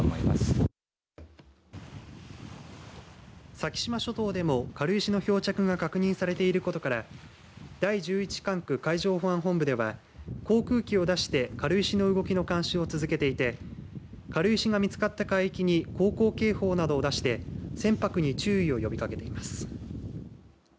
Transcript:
先島諸島でも軽石の漂着が確認されていることから第１１管区海上保安本部では航空機を出して軽石の動きの監視を続けていて軽石が見つかった海域に航行警報などを出して船舶に注意を呼びかけています。